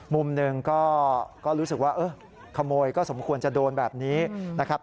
มุมหนึ่งก็รู้สึกว่าเออขโมยก็สมควรจะโดนแบบนี้นะครับ